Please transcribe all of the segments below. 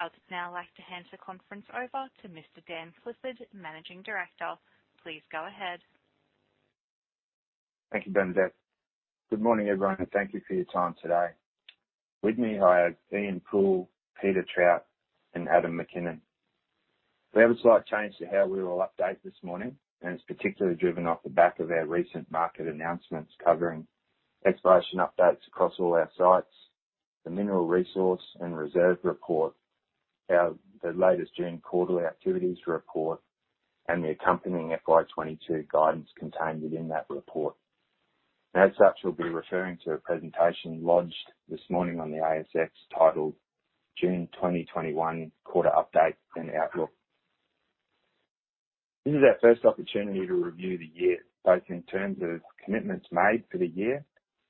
I would now like to hand the conference over to Mr. Dan Clifford, Managing Director. Please go ahead. Thank you, Bernadette. Good morning, everyone, and thank you for your time today. With me I have Ian Poole, Peter Trout, and Adam McKinnon. We have a slight change to how we will update this morning, and it's particularly driven off the back of our recent market announcements covering exploration updates across all our sites, the mineral resource and reserve report, the latest June quarterly activities report, and the accompanying FY 2022 guidance contained within that report. As such, we'll be referring to a presentation lodged this morning on the ASX titled June 2021 Quarter Update and Outlook. This is our first opportunity to review the year, both in terms of commitments made for the year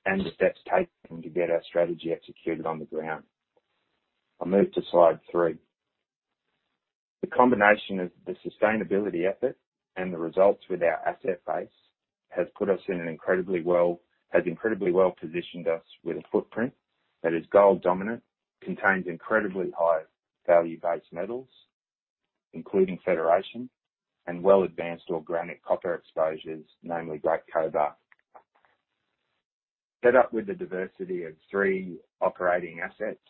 and the steps taken to get our strategy executed on the ground. I'll move to slide three. The combination of the sustainability effort and the results with our asset base has incredibly well-positioned us with a footprint that is gold dominant, contains incredibly high value-based metals, including Federation and well advanced organic copper exposures, namely Great Cobar. Set up with the diversity of three operating assets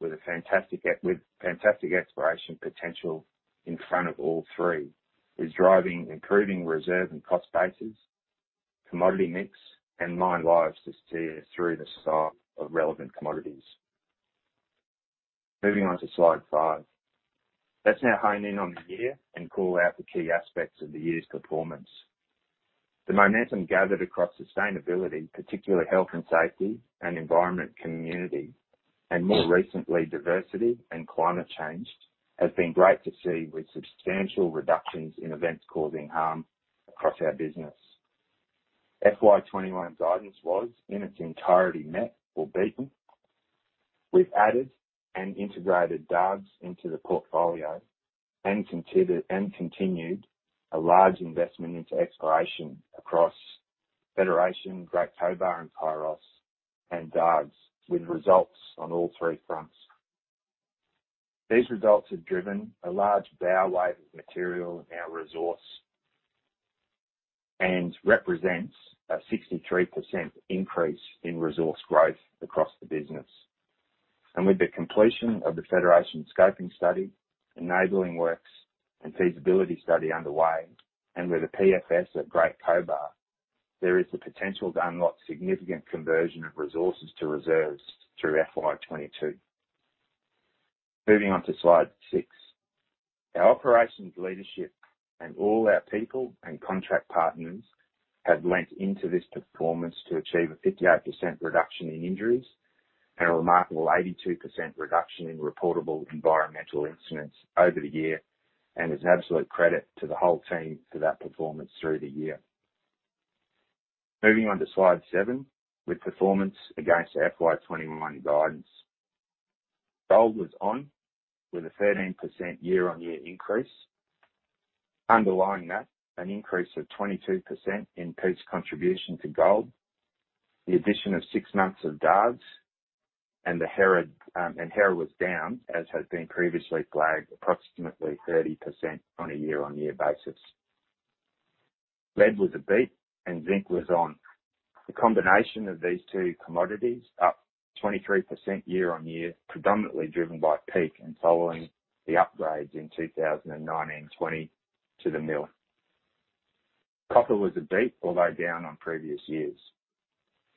with fantastic exploration potential in front of all three is driving improving reserve and cost bases, commodity mix, and mine lives to steer through the cycle of relevant commodities. Moving on to slide five. Let's now hone in on the year and call out the key aspects of the year's performance. The momentum gathered across sustainability, particularly health and safety and environment community, and more recently, diversity and climate change, has been great to see with substantial reductions in events causing harm across our business. FY 2021 guidance was, in its entirety, met or beaten. We've added and integrated Dargues into the portfolio and continued a large investment into exploration across Federation, Great Cobar and Kairos, and Dargues, with results on all three fronts. These results have driven a large bow wave of material in our resource and represents a 63% increase in resource growth across the business. With the completion of the Federation scoping study, enabling works and feasibility study underway, and with a PFS at Great Cobar, there is the potential to unlock significant conversion of resources to reserves through FY 2022. Moving on to slide six. Our operations leadership and all our people and contract partners have lent into this performance to achieve a 58% reduction in injuries and a remarkable 82% reduction in reportable environmental incidents over the year, and is absolute credit to the whole team for that performance through the year. Moving on to slide seven with performance against FY 2021 guidance. Gold was on with a 13% year-on-year increase. Underlying that, an increase of 22% in Peak's contribution to gold, the addition of six months of Dargues and Hera was down, as had been previously flagged, approximately 30% on a year-on-year basis. Lead was a beat and zinc was on. The combination of these two commodities up 23% year-on-year, predominantly driven by Peak and following the upgrades in 2019/2020 to the mill. Copper was a beat, although down on previous years.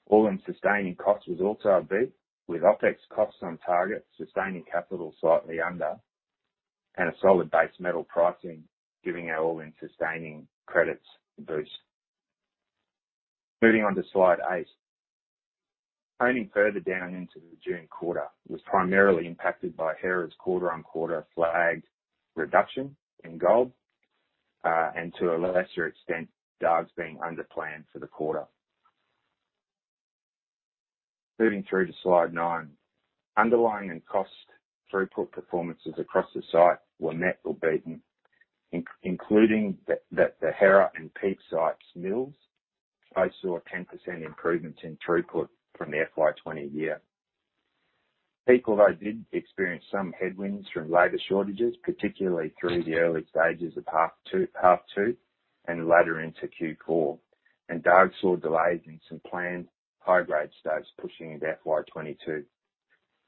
All-in Sustaining Costs was also a beat, with OpEx costs on target, sustaining capital slightly under and a solid base metal pricing giving our All-in Sustaining Credits a boost. Moving on to slide eight. Honing further down into the June quarter was primarily impacted by Hera's quarter-on-quarter flagged reduction in gold, and to a lesser extent, Dargues being under plan for the quarter. Moving through to slide nine. Underlying and cost throughput performances across the site were met or beaten, including that the Hera and Peak sites mills both saw a 10% improvement in throughput from the FY 2020 year. Peak did experience some headwinds from labor shortages, particularly through the early stages of half two and later into Q4. Dargues saw delays in some planned high-grade starts pushing into FY 2022.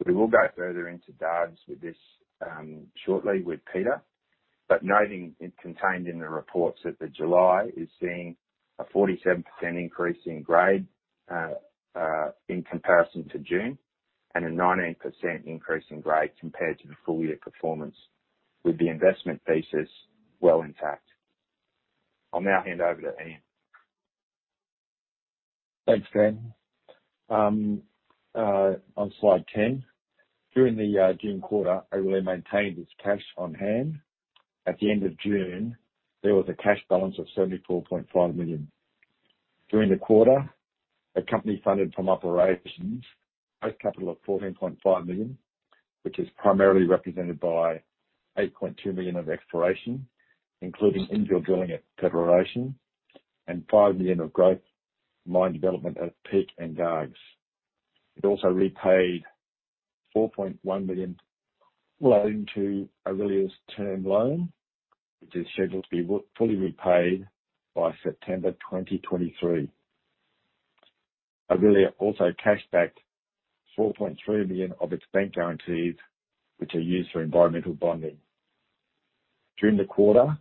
We will go further into Dargues with this shortly with Peter. Noting it contained in the reports that the July is seeing a 47% increase in grade in comparison to June, and a 19% increase in grade compared to the full year performance, with the investment thesis well intact. I'll now hand over to Ian. Thanks, Dan. On slide 10. During the year, June quarter, Aurelia maintained its cash on hand. At the end of June, there was a cash balance of 74.5 million. During the quarter, the company funded from operations, post capital of 14.5 million, which is primarily represented by 8.2 million of exploration, including infill drilling at Federation. 5 million of growth, mine development at Peak and Dargues. It also repaid 4.1 million loan to Aurelia's term loan, which is scheduled to be fully repaid by September 2023. Aurelia also cashed back 4.3 million of its bank guarantees, which are used for environmental bonding. During the quarter,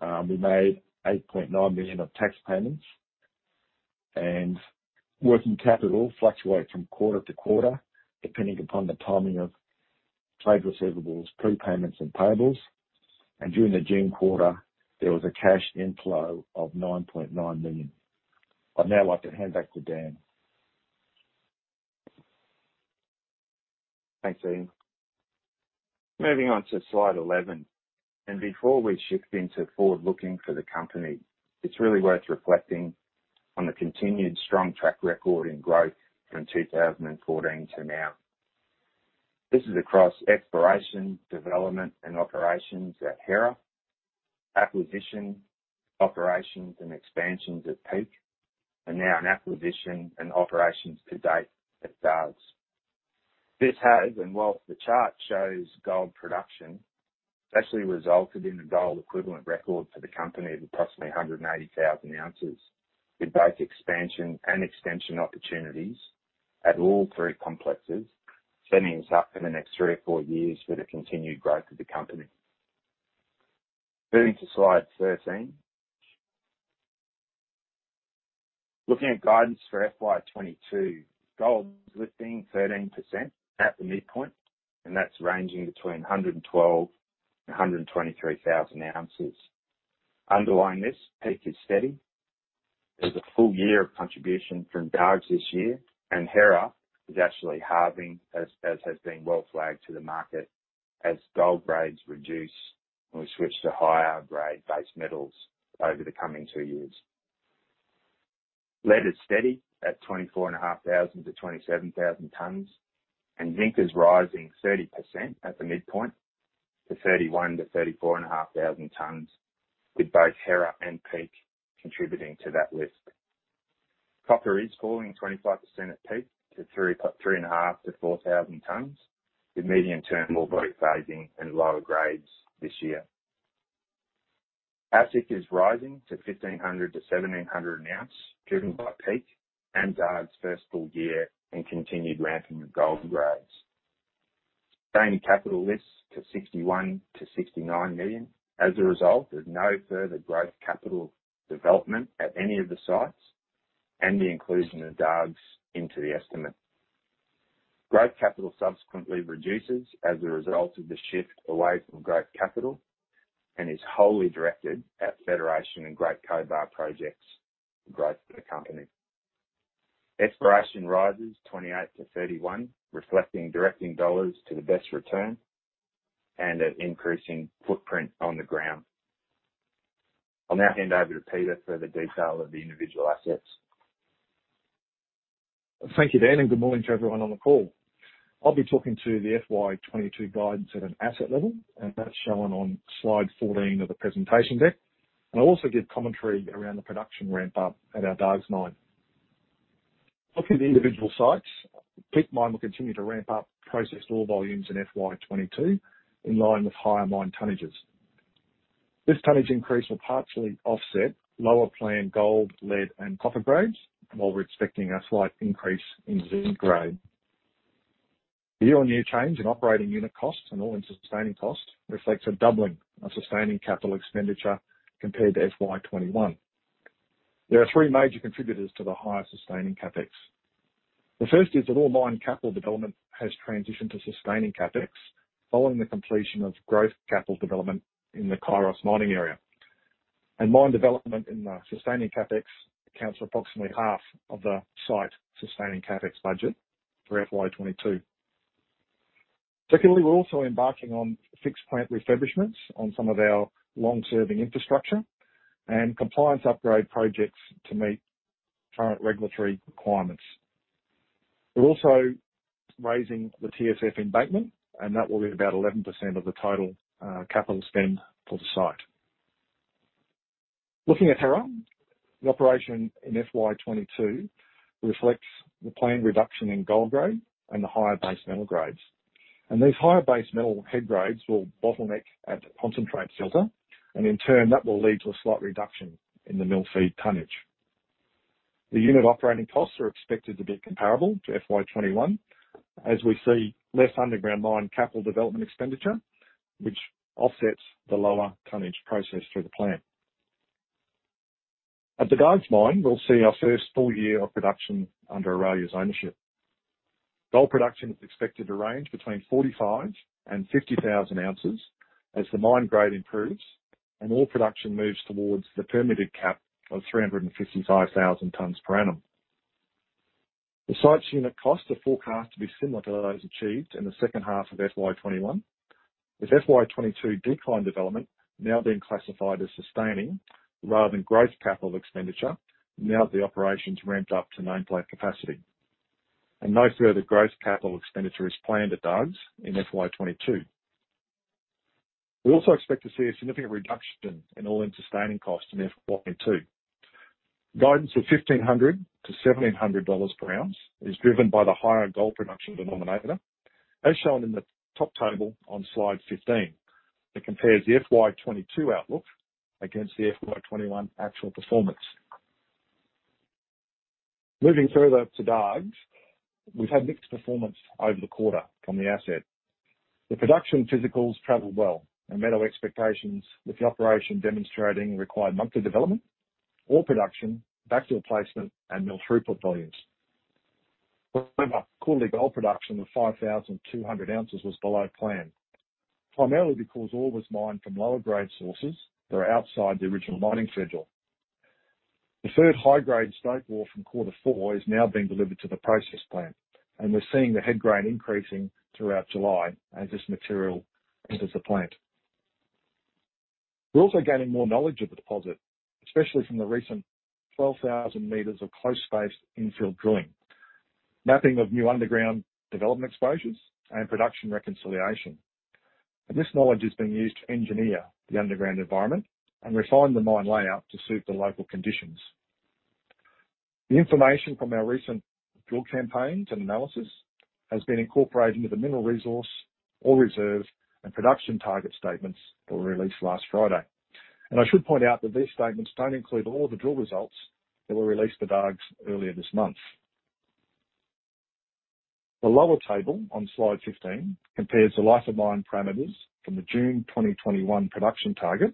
we made 8.9 million of tax payments. Working capital fluctuate from quarter to quarter, depending upon the timing of trade receivables, prepayments, and payables. During the June quarter, there was a cash inflow of 9.9 million. I'd now like to hand back to Dan. Thanks, Ian. Moving on to slide 11, before we shift into forward-looking for the company, it's really worth reflecting on the continued strong track record in growth from 2014 to now. This is across exploration, development, and operations at Hera, acquisition, operations, and expansions at Peak, and now an acquisition and operations to date at Dargues. This has been, while the chart shows gold production, it's actually resulted in a gold equivalent record for the company of approximately 180,000 ounces. With both expansion and extension opportunities at all three complexes, setting us up for the next three or four years for the continued growth of the company. Moving to slide 13. Looking at guidance for FY 2022, gold is lifting 13% at the midpoint, and that's ranging between 112,000 ounces and 123,000 ounces. Underlying this, Peak is steady. There's a full year of contribution from Dargues this year. Hera is actually halving, as has been well flagged to the market as gold grades reduce and we switch to higher grade base metals over the coming two years. Lead is steady at 24,500 tonnes-27,000 tonnes. Zinc is rising 30% at the midpoint to 31,000 tonnes-34,500 tonnes, with both Hera and Peak contributing to that lift. Copper is falling 25% at Peak to 3,500 tonnes-4,000 tonnes, with medium-term ore body phasing and lower grades this year. AISC is rising to 1,500-1,700, an ounce, driven by Peak and Dargues' first full year and continued ramping of gold grades. Tiny Capital lifts to 61 million-69 million as a result of no further growth capital development at any of the sites and the inclusion of Dargues into the estimate. Growth capital subsequently reduces as a result of the shift away from growth capital and is wholly directed at Federation and Great Cobar projects growth for the company. Exploration rises 28 to 31, reflecting directing dollars to the best return and an increasing footprint on the ground. I'll now hand over to Peter for the detail of the individual assets. Thank you, Dan, and good morning to everyone on the call. I'll be talking to the FY 2022 guidance at an asset level, and that's shown on slide 14 of the presentation deck. I'll also give commentary around the production ramp up at our Dargues mine. Looking at the individual sites, Peak Mine will continue to ramp up processed ore volumes in FY 2022, in line with higher mine tonnages. This tonnage increase will partially offset lower planned gold, lead, and copper grades, while we're expecting a slight increase in zinc grade. The year-on-year change in operating unit costs and All-in Sustaining Cost reflects a doubling of sustaining capital expenditure compared to FY 2021. There are three major contributors to the higher sustaining CapEx. The first is that all mine capital development has transitioned to sustaining CapEx following the completion of growth capital development in the Kairos mining area. Mine development in the sustaining CapEx accounts for approximately half of the site sustaining CapEx budget for FY 2022. Secondly, we're also embarking on fixed plant refurbishments on some of our long-serving infrastructure and compliance upgrade projects to meet current regulatory requirements. We're also raising the TSF embankment, and that will be about 11% of the total capital spend for the site. Looking at Hera, the operation in FY 2022 reflects the planned reduction in gold grade and the higher base metal grades. These higher base metal head grades will bottleneck at the concentrate filter, and in turn, that will lead to a slight reduction in the mill feed tonnage. The unit operating costs are expected to be comparable to FY 2021 as we see less underground mine capital development expenditure, which offsets the lower tonnage processed through the plant. At the Dargues mine, we'll see our first full year of production under Aurelia's ownership. Gold production is expected to range between 45,000 ounces and 50,000 ounces as the mine grade improves and ore production moves towards the permitted cap of 355,000 tonnes per annum. The site's unit costs are forecast to be similar to those achieved in the second half of FY 2021, with FY 2022 decline development now being classified as sustaining rather than growth capital expenditure now the operations ramp up to nameplate capacity. No further growth capital expenditure is planned at Dargues in FY 2022. We also expect to see a significant reduction in All-in Sustaining Cost in FY 2022. Guidance of 1,500-1,700 dollars per ounce is driven by the higher gold production denominator, as shown in the top table on slide 15. It compares the FY 2022 outlook against the FY 2021 actual performance. Moving further to Dargues, we've had mixed performance over the quarter from the asset. The production physicals traveled well and met our expectations, with the operation demonstrating required monthly development, ore production, backfill placement, and mill throughput volumes. However, quarterly gold production of 5,200 ounces was below plan, primarily because ore was mined from lower-grade sources that are outside the original mining schedule. The third high-grade stock wall from quarter four is now being delivered to the process plant, and we're seeing the head grade increasing throughout July as this material enters the plant. We're also gaining more knowledge of the deposit, especially from the recent 12,000m of close-space infill drilling, mapping of new underground development exposures, and production reconciliation. This knowledge is being used to engineer the underground environment and refine the mine layout to suit the local conditions. The information from our recent drill campaigns and analysis has been incorporated into the mineral resource, ore reserve, and production target statements that were released last Friday. I should point out that these statements don't include all the drill results that were released for Dargues earlier this month. The lower table on slide 15 compares the life of mine parameters from the June 2021 production target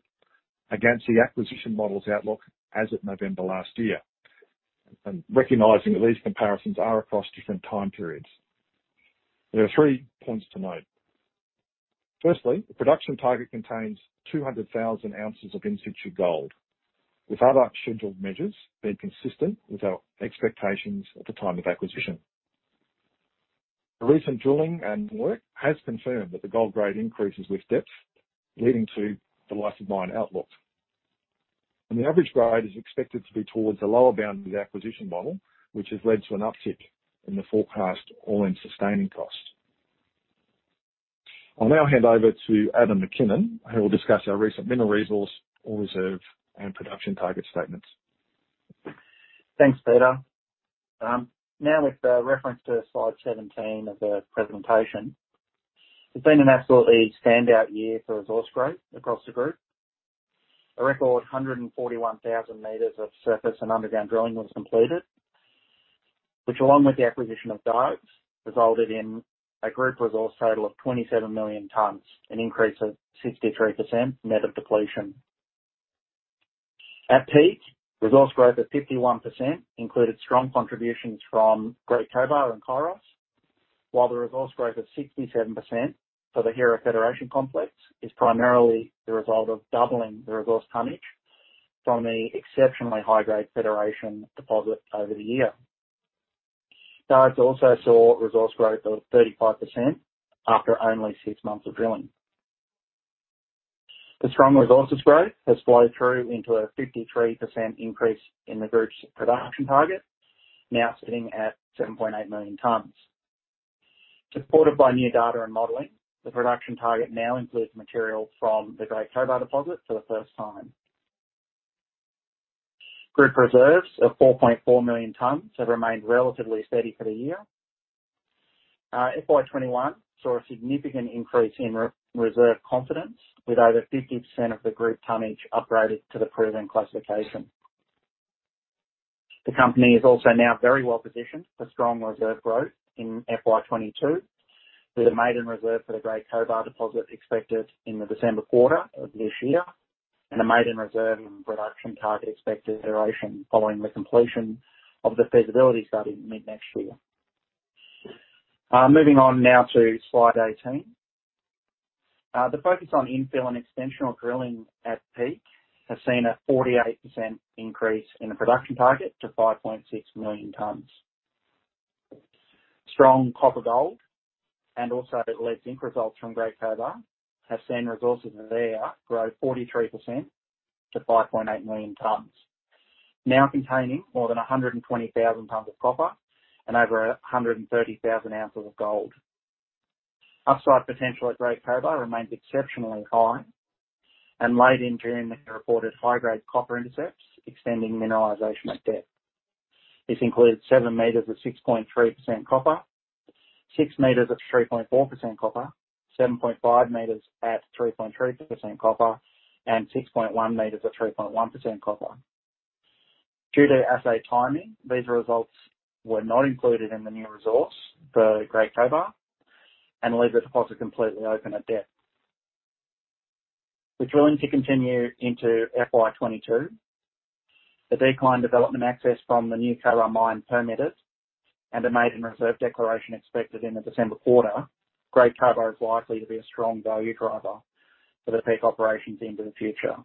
against the acquisition model's outlook as at November last year, and recognizing that these comparisons are across different time periods. There are three points to note. Firstly, the production target contains 200,000 ounces of in-situ gold, with other scheduled measures being consistent with our expectations at the time of acquisition. The recent drilling and work has confirmed that the gold grade increases with depth, leading to the life of mine outlook. The average grade is expected to be towards the lower bound of the acquisition model, which has led to an uptick in the forecast All-in Sustaining Cost. I'll now hand over to Adam McKinnon, who will discuss our recent mineral resource, ore reserve, and production target statements. Thanks, Peter. Now, with reference to slide 17 of the presentation. It's been an absolutely standout year for resource growth across the group. A record 141,000 meters of surface and underground drilling was completed, which along with the acquisition of Dargues, resulted in a group resource total of 27 million tonnes, an increase of 63% net of depletion. At Peak, resource growth of 51% included strong contributions from Great Cobar and Kairos, while the resource growth of 67% for the Hera Federation Complex is primarily the result of doubling the resource tonnage from the exceptionally high-grade Federation deposit over the year. Dargues also saw resource growth of 35% after only six months of drilling. The strong resources growth has flowed through into a 53% increase in the group's production target, now sitting at 7.8 million tonnes. Supported by new data and modeling, the production target now includes material from the Great Cobar deposit for the first time. Group reserves of 4.4 million tonnes have remained relatively steady for the year. FY 2021 saw a significant increase in reserve confidence, with over 50% of the group tonnage upgraded to the proven classification. The company is also now very well positioned for strong reserve growth in FY 2022, with a maiden reserve for the Great Cobar deposit expected in the December quarter of this year, and a maiden reserve and production target expected iteration following the completion of the feasibility study mid-next year. Moving on now to slide 18. The focus on infill and extensional drilling at Peak has seen a 48% increase in the production target to 5.6 million tonnes. Strong copper gold and also lead zinc results from Great Cobar have seen resources there grow 43% to 5.8 million tonnes. Now containing more than 120,000 tonnes of copper and over 130,000 ounces of gold. Upside potential at Great Cobar remains exceptionally high. Late in June we reported high-grade copper intercepts extending mineralization at depth. This included 7 meters at 6.3% copper, 6 meters at 3.4% copper, 7.5 meters at 3.3% copper, and 6.1 meters at 3.1% copper. Due to assay timing, these results were not included in the new resource for Great Cobar and leave the deposit completely open at depth. With drilling to continue into FY 2022, the decline development access from the new Cobar Mine permitted, and a maiden reserve declaration expected in the December quarter, Great Cobar is likely to be a strong value driver for the Peak operations into the future.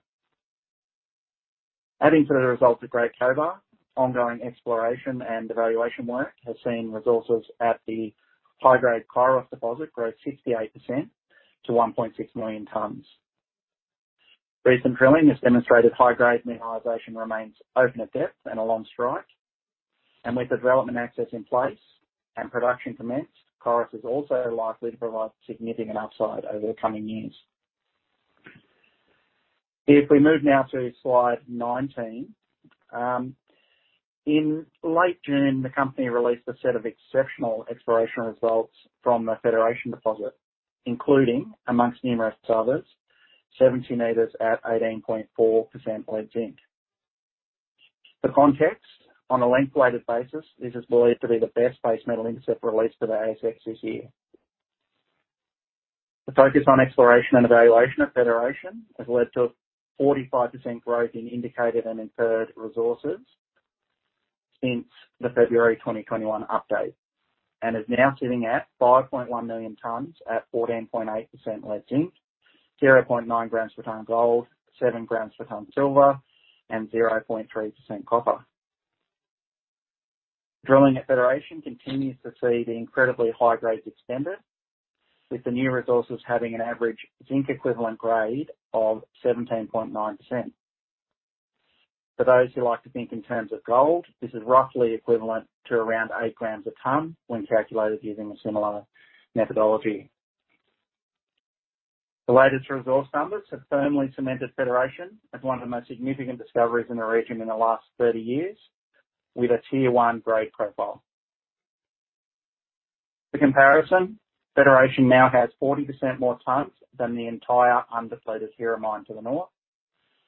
Adding to the results at Great Cobar, ongoing exploration and evaluation work has seen resources at the high-grade Kairos deposit grow 68% to 1.6 million tonnes. Recent drilling has demonstrated high-grade mineralization remains open at depth and along strike. With the development access in place and production commenced, Kairos is also likely to provide significant upside over the coming years. If we move now to slide 19. In late June, the company released a set of exceptional exploration results from the Federation deposit, including, amongst numerous others, 70 meters at 18.4% lead zinc. For context, on a length-weighted basis, this is believed to be the best base metal intercept released to the ASX this year. The focus on exploration and evaluation at Federation has led to a 45% growth in indicated and inferred resources since the February 2021 update, and is now sitting at 5.1 million tonnes at 14.8% lead zinc, 0.9 grams per ton gold, 7 grams per ton silver, and 0.3% copper. Drilling at Federation continues to see the incredibly high grades extended, with the new resources having an average zinc equivalent grade of 17.9%. For those who like to think in terms of gold, this is roughly equivalent to around 8 grams a ton when calculated using a similar methodology. The latest resource numbers have firmly cemented Federation as one of the most significant discoveries in the region in the last 30 years, with a Tier 1 grade profile. For comparison, Federation now has 40% more tonnes than the entire undepleted Hera mine to the north,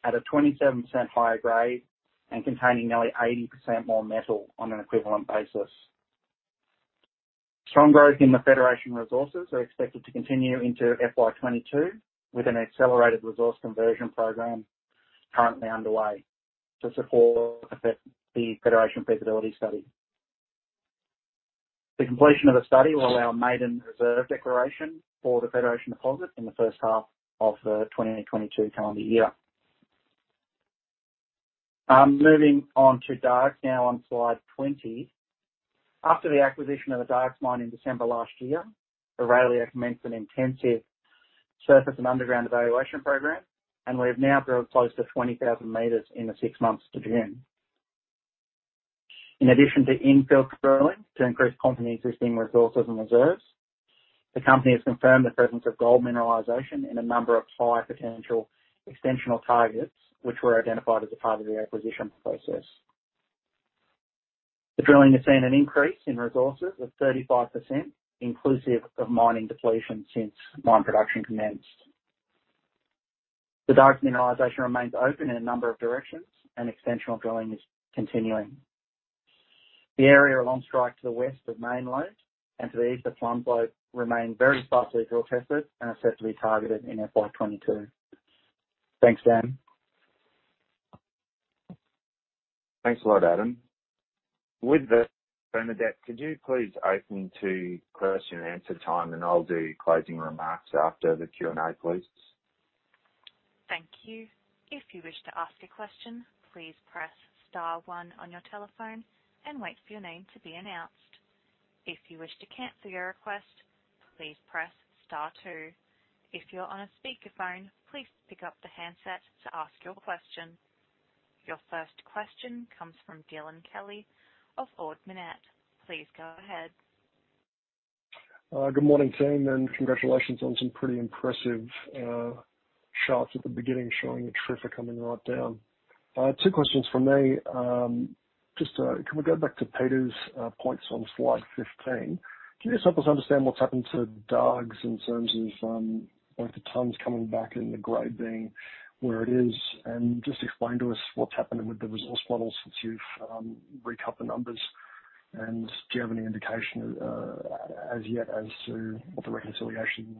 at a 27% higher grade and containing nearly 80% more metal on an equivalent basis. Strong growth in the Federation resources are expected to continue into FY 2022, with an accelerated resource conversion program currently underway to support the Federation feasibility study. The completion of the study will allow maiden ore reserve declaration for the Federation deposit in the first half of the 2022 calendar year. Moving on to Dargues now on slide 20. After the acquisition of the Dargues mine in December last year, Aurelia commenced an intensive surface and underground evaluation program, we have now drilled close to 20,000 meters in the six months to June. In addition to infill drilling to increase company existing resources and reserves, the company has confirmed the presence of gold mineralization in a number of high potential extensional targets, which were identified as a part of the acquisition process. The drilling has seen an increase in resources of 35%, inclusive of mining depletion since mine production commenced. The Dargues mineralization remains open in a number of directions and extensional drilling is continuing. The area along strike to the west of Main Lode and to the east of Plum Lode remain very sparsely drill tested and are set to be targeted in FY 2022. Thanks, Dan. Thanks a lot, Adam. With that, Bernadette, could you please open to question and answer time, and I'll do closing remarks after the Q&A, please. Thank you. If you wish to ask a question, please press star one on your telephone and wait for your name to be announced. If you wish to cancel your request, please press star two. If you're on a speakerphone, please pick up the handset to ask your question. Your first question comes from Dylan Kelly of Ord Minnett. Please go ahead. Good morning, team, and congratulations on some pretty impressive charts at the beginning showing the TRIFR coming right down. I have two questions from me. Firstly, can we go back to Peter's points on slide 15? Can you just help us understand what's happened to Dargues in terms of both the tonnes coming back and the grade being where it is, and just explain to us what's happening with the resource model since you've re-cut the numbers? Do you have any indication as yet as to what the reconciliation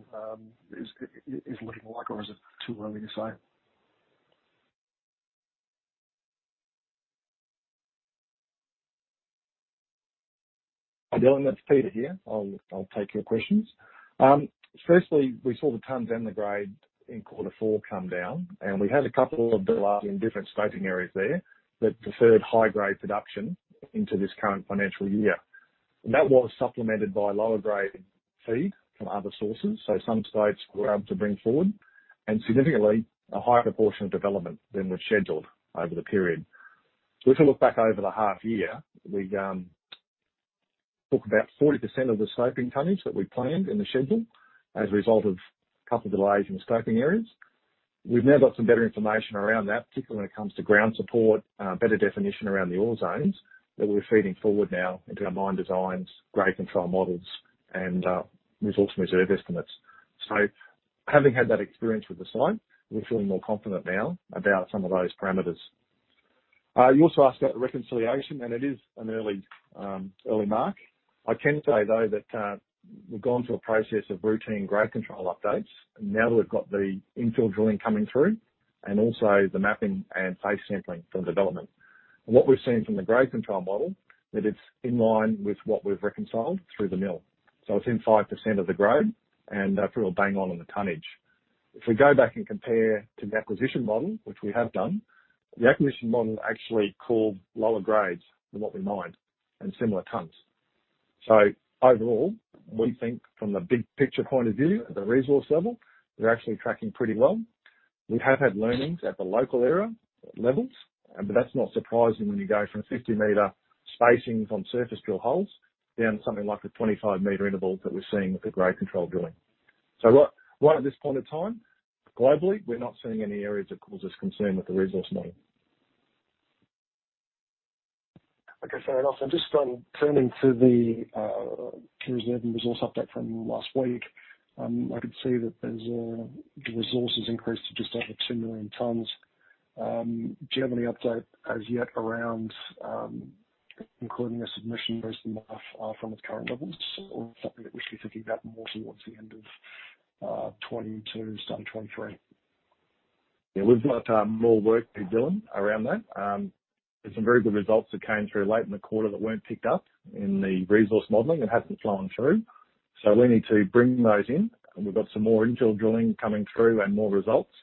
is looking like, or is it too early to say? Hi, Dylan. It's Peter here. I'll take your questions. Firstly, we saw the tonnes and the grade in quarter four come down, and we had a couple of delays in different staging areas there that deferred high-grade production into this current financial year. That was supplemented by lower grade feed from other sources, so some stopes were able to bring forward, and significantly a higher proportion of development than was scheduled over the period. If you look back over the half year, we took about 40% of the scoping tonnage that we planned in the schedule as a result of a couple of delays in the scoping areas. We've now got some better information around that, particularly when it comes to ground support, better definition around the ore zones that we're feeding forward now into our mine designs, grade control models, and resource and reserve estimates. Having had that experience with the site, we're feeling more confident now about some of those parameters. You also asked about the reconciliation, and it is an early mark. I can say, though, that we've gone through a process of routine grade control updates now that we've got the infill drilling coming through and also the mapping and face sampling from development. What we've seen from the grade control model, that it's in line with what we've reconciled through the mill. It's in 5% of the grade and feel bang on in the tonnage. If we go back and compare to the acquisition model, which we have done, the acquisition model actually called lower grades than what we mined and similar tonnes. Overall, we think from the big picture point of view, at the resource level, we're actually tracking pretty well. We have had learnings at the local area levels, but that's not surprising when you go from 50-meter spacings on surface drill holes down to something like the 25-meter intervals that we're seeing with the grade control drilling. Right at this point in time, globally, we're not seeing any areas that cause us concern with the resource model. Okay, fair enough. Just turning to the Reserve and Resource update from last week, I can see that the Resource has increased to just over 2 million tonnes. Do you have any update as yet around including a submission based on that from its current levels or something that we should be thinking about more towards the end of 2022, starting 2023? Yeah. We've got more work to do around that. There's some very good results that came through late in the quarter that weren't picked up in the resource modeling. It hasn't flown through. We need to bring those in, and we've got some more infill drilling coming through and more results,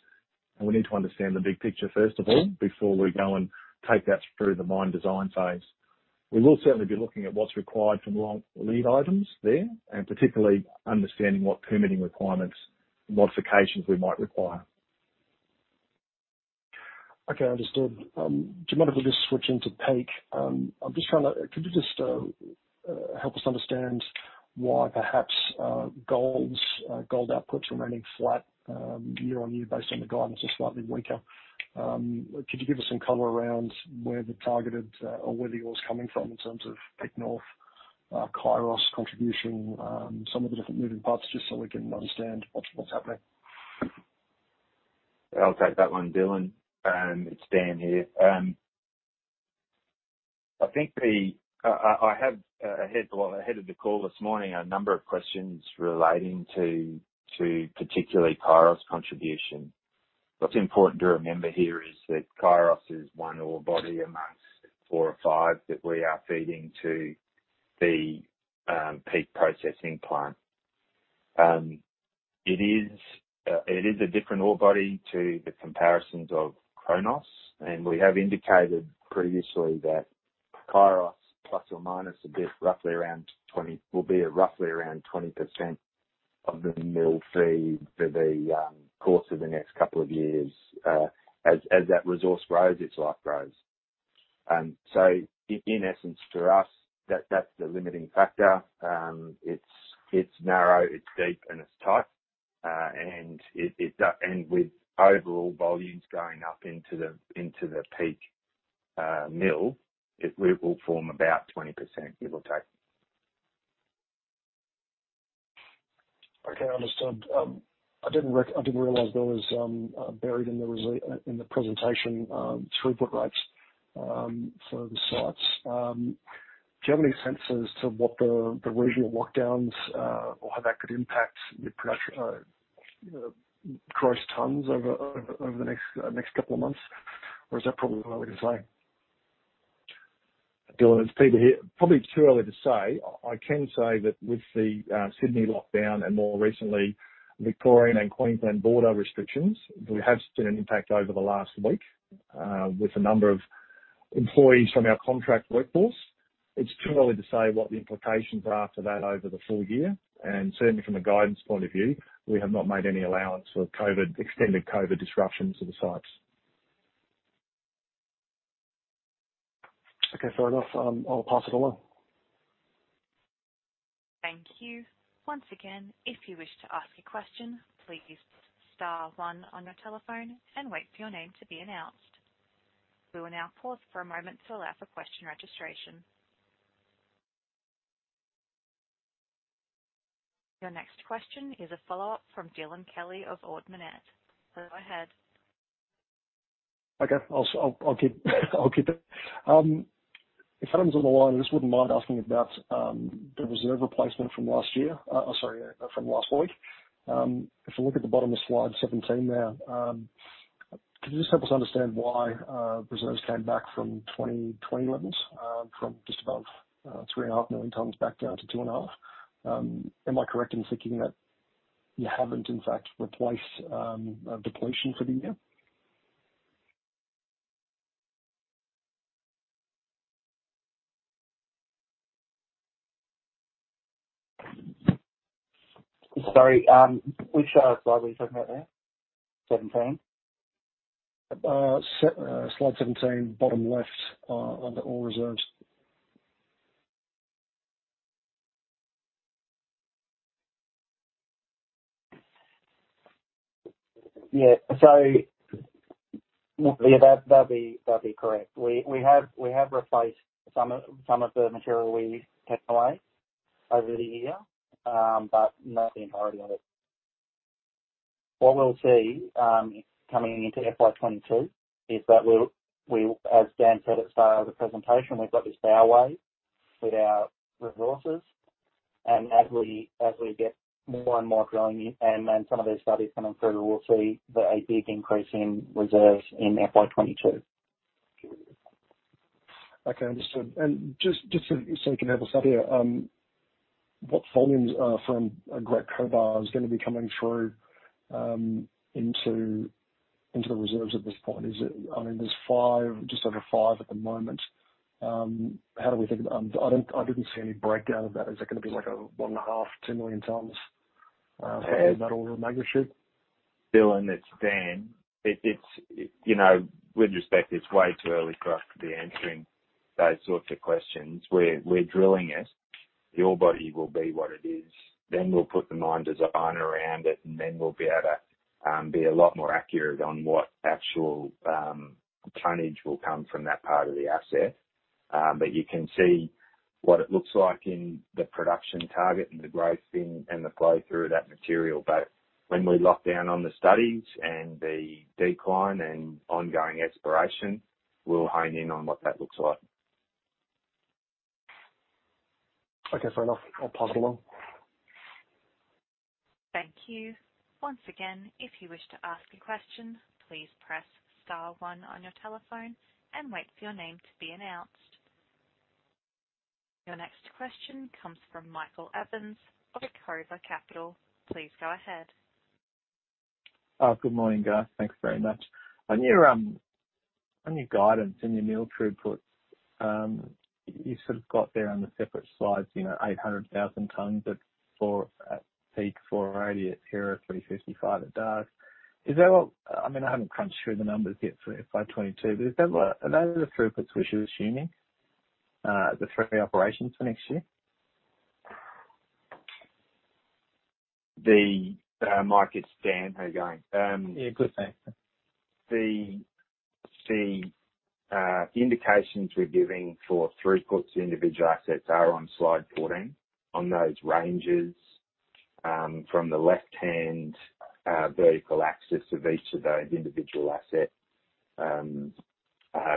and we need to understand the big picture, first of all, before we go and take that through the mine design phase. We will certainly be looking at what's required from long lead items there, and particularly understanding what permitting requirements and modifications we might require. Okay, understood. Do you mind if we just switch into Peak? Could you just help us understand why perhaps gold output's remaining flat year-on-year based on the guidance or slightly weaker? Could you give us some color around where the targeted, or where the ore's coming from in terms of Peak North, Kairos contribution, some of the different moving parts, just so we can understand what's happening? I'll take that one, Dylan. It's Dan here. I had, ahead of the call this morning, a number of questions relating to particularly Kairos contribution. What's important to remember here is that Kairos is one ore body amongst four or five that we are feeding to the Peak processing plant. It is a different ore body to the comparisons of Chronos, and we have indicated previously that Kairos, plus or minus a bit, will be at roughly around 20% of the mill feed for the course of the next couple of years. As that resource grows, its life grows. In essence, for us, that's the limiting factor. It's narrow, it's deep, and it's tight. With overall volumes going up into the Peak mill, it will form about 20%, give or take. Okay, understood. I didn't realize there was, buried in the presentation, throughput rates for the sites. Do you have any sense as to what the regional lockdowns or how that could impact your production of gross tonnes over the next couple of months? Or is that probably too early to say? Dylan, it's Peter here. Probably too early to say. I can say that with the Sydney lockdown and more recently Victorian and Queensland border restrictions, there has been an impact over the last week with a number of employees from our contract workforce. It's too early to say what the implications are for that over the full year. Certainly, from a guidance point of view, we have not made any allowance for extended COVID disruptions to the sites. Okay. Fair enough. I'll pass it along. Thank you. Once again, if you wish to ask a question, please press star one on your telephone and wait for your name to be announced. We will now pause for a moment to allow for question registration. Your next question is a follow-up from Dylan Kelly of Ord Minnett. Go ahead. Okay. I'll keep it. If Adam's on the line, I just wouldn't mind asking about the reserve replacement from last week. If you look at the bottom of slide 17 there, could you just help us understand why reserves came back from 2020 levels, from just above 3.5 million tonnes back down to 2.5 million tonnes? Am I correct in thinking that you haven't, in fact, replaced depletion for the year? Sorry, which slide were you talking about there? 17? Slide 17, bottom left, under ore reserves. Yeah. Sorry. That'd be correct. We have replaced some of the material we took away over the year, but not the entirety of it. What we'll see, coming into FY 2022, is that we'll, as Dan said at the start of the presentation, we've got this fairway with our resources, and as we get more and more drilling and some of these studies coming through, we'll see a big increase in reserves in FY 2022. Okay, understood. Just so you can help us out here. What volumes from Great Cobar is going to be coming through into the reserves at this point? There's just over 5 million tonnes at the moment. How do we think? I didn't see any breakdown of that. Is it going to be like 1.5 million tonnes, 2 million tonnes? Dylan, it's Dan. With respect, it's way too early for us to be answering those sorts of questions. We're drilling it. The ore body will be what it is. We'll put the mine design around it, and then we'll be able to be a lot more accurate on what actual tonnage will come from that part of the asset. You can see what it looks like in the production target and the grade through and the flow through of that material. When we lock down on the studies and the decline and ongoing exploration, we'll hone in on what that looks like. Okay, fair enough. I'll pass it along. Thank you. Once again, if you wish to ask a question, please press star one on your telephone and wait for your name to be announced. Your next question comes from Michael Evans of Acova Capital. Please go ahead. Good morning, guys. Thanks very much. On your guidance and your mill throughput, you sort of got there on the separate slides, 800,000 tonnes at Peak, 480,000 at Hera, 355,000 at Dargues. I haven't crunched through the numbers yet for FY 2022, but are those the throughputs we should be assuming, the three operations for next year? Mike, it's Dan. How are you going? Yeah, good, thanks. The indications we're giving for throughput to individual assets are on slide 14 on those ranges from the left-hand vertical axis of each of those individual asset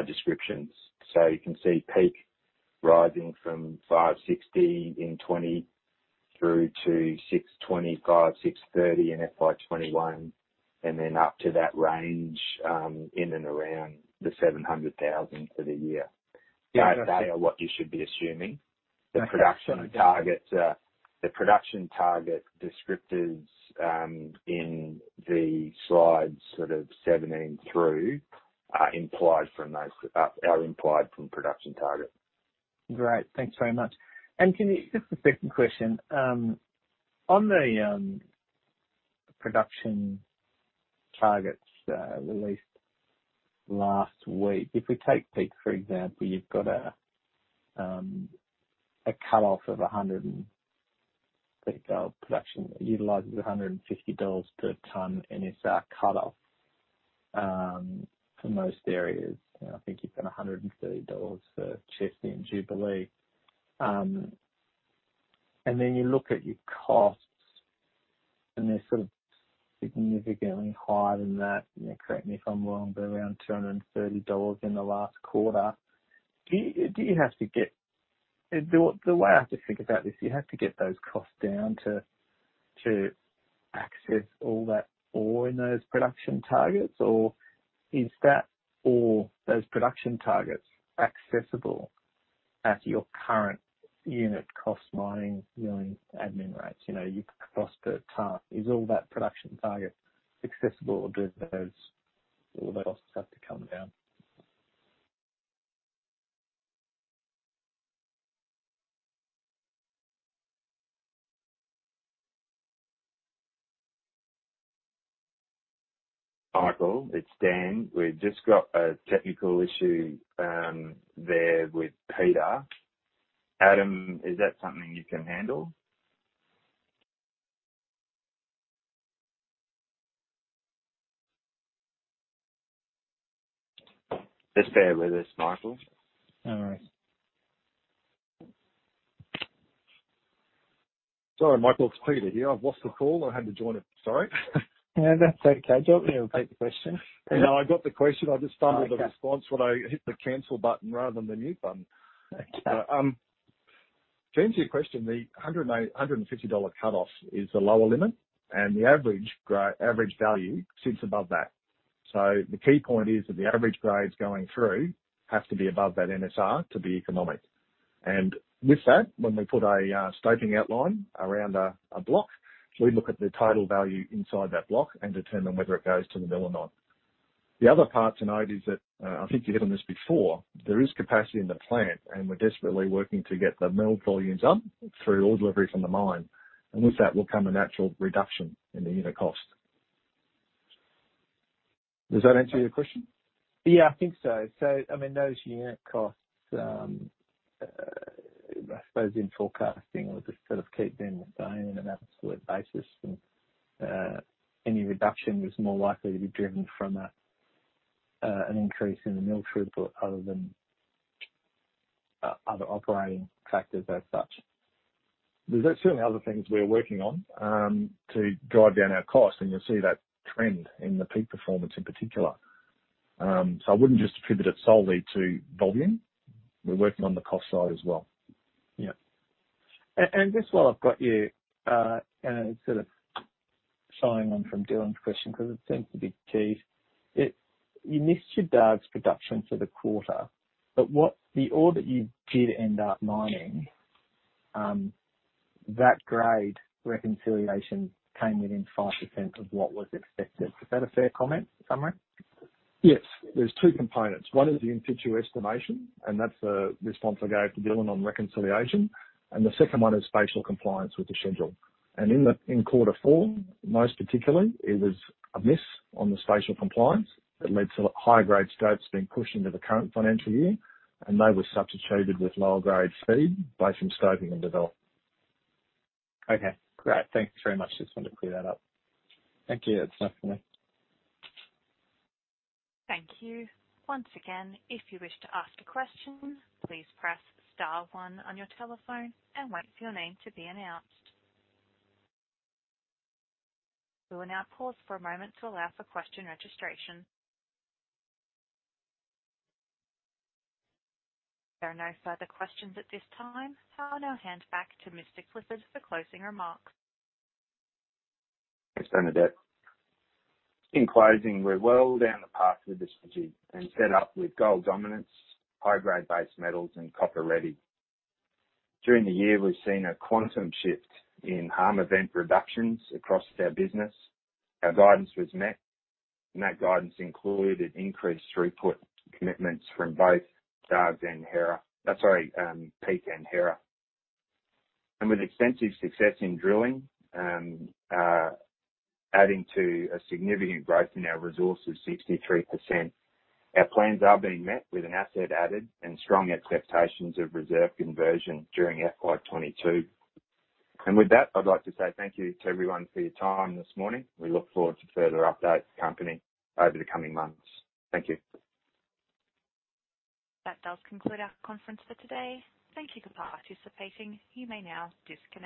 descriptions. You can see Peak rising from 560,000 tonnes in FY 2020 through to 625,000 tonnes, 630,000 tonnes in FY 2021, and then up to that range, in and around the 700,000 tonnes for the year. Those are what you should be assuming. The production target descriptors in the slides sort of 17 through are implied from production target. Great. Thanks very much. Just a second question. On the production targets released last week, if we take Peak, for example, you've got a cutoff of 100 and Peak production utilizes 150 dollars per tonne NSR cutoff for most areas. I think you've got 130 dollars for Chesney and Jubilee. Then you look at your costs, and they're sort of significantly higher than that, correct me if I'm wrong, but around 230 dollars in the last quarter. The way I have to think about this, you have to get those costs down to access all that ore in those production targets, or is that ore, those production targets, accessible at your current unit cost mining, milling, admin rates? Your cost per tonne. Is all that production target accessible or do those costs have to come down? Michael, it's Dan. We've just got a technical issue there with Peter. Adam, is that something you can handle? Just bear with us, Michael. All right. Sorry, Michael, it's Peter here. I've lost the call. I had to join it. Sorry. No, that's okay. Do you want me to repeat the question? No, I got the question. I just fumbled the response when I hit the cancel button rather than the mute button. Okay. To answer your question, the 150 dollar cutoff is the lower limit, the average value sits above that. The key point is that the average grades going through have to be above that NSR to be economic. With that, when we put a scoping study around a block, we look at the total value inside that block and determine whether it goes to the mill or not. The other part to note is that, I think you hit on this before, there is capacity in the plant, we're desperately working to get the mill volumes up through ore delivery from the mine. With that will come a natural reduction in the unit cost. Does that answer your question? Yeah, I think so. Those unit costs, I suppose in forecasting, we just sort of keep them the same on an absolute basis. Any reduction was more likely to be driven from an increase in the mill throughput other than other operating factors as such. There's certainly other things we are working on to drive down our cost, and you'll see that trend in the Peak performance in particular. I wouldn't just attribute it solely to volume. We're working on the cost side as well. Yeah. Just while I've got you, sort of tying on from Dylan's question, because it seems to be key. You missed your Dargues production for the quarter, but the ore that you did end up mining, that grade reconciliation came within 5% of what was expected. Is that a fair comment, summary? Yes. There's two components. One is the in-situ estimation, and that's the response I gave to Dylan on reconciliation. The second one is spatial compliance with the schedule. In quarter four, most particularly, it was a miss on the spatial compliance that led to higher grade stopes being pushed into the current financial year, and they were substituted with lower grade feed based on stoping and development. Great. Thank you very much. Just wanted to clear that up. Thank you. That's enough for me. Thank you. Once again, if you wish to ask a question, please press star one on your telephone and wait for your name to be announced. We will now pause for a moment to allow for question registration. There are no further questions at this time. I will now hand back to Mr. Clifford for closing remarks. Thanks, Bernadette. In closing, we're well down the path with this strategy and set up with gold dominance, high grade base metals, and copper-ready. During the year, we've seen a quantum shift in harm event reductions across our business. Our guidance was met, that guidance included increased throughput commitments from both Peak and Hera. With extensive success in drilling, adding to a significant growth in our resources, 63%. Our plans are being met with an asset added and strong expectations of reserve conversion during FY 2022. With that, I'd like to say thank you to everyone for your time this morning. We look forward to further updates accompanying over the coming months. Thank you. That does conclude our conference for today. Thank you for participating. You may now disconnect.